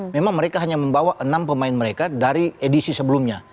memang mereka hanya membawa enam pemain mereka dari edisi sebelumnya